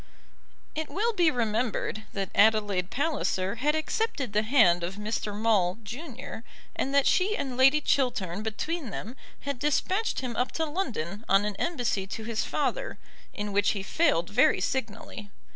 It will be remembered that Adelaide Palliser had accepted the hand of Mr. Maule, junior, and that she and Lady Chiltern between them had despatched him up to London on an embassy to his father, in which he failed very signally.